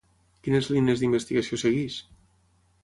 Quines línies d'investigació segueix?